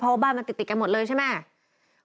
เพราะว่าบ้านมันติดกันหมดเลยใช่ไหม